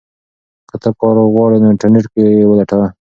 که ته کار غواړې نو انټرنیټ کې یې ولټوه.